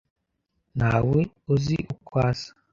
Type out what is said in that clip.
Ntawe uzi uko asa.